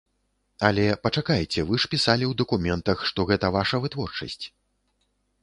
Але пачакайце, вы ж пісалі ў дакументах, што гэта ваша вытворчасць?